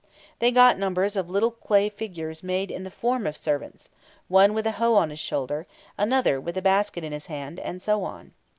They got numbers of little clay figures made in the form of servants one with a hoe on his shoulder, another with a basket in his hand, and so on.